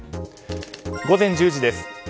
午前１０時です。